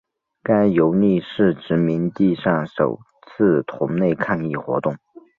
该游利是殖民地上首次同类抗议活动。